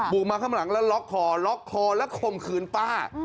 กมาข้างหลังแล้วล็อกคอล็อกคอแล้วข่มขืนป้า